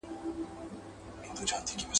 د خپلواکۍ بې ځايه مانا خپله کړې ده